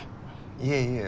いえいえ